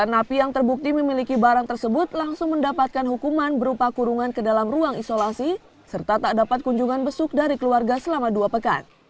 sembilan napi yang terbukti memiliki barang tersebut langsung mendapatkan hukuman berupa kurungan ke dalam ruang isolasi serta tak dapat kunjungan besuk dari keluarga selama dua pekan